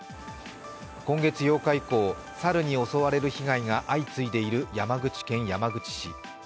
今月８日以降、猿に襲われる被害が相次いでいる山口県山口市。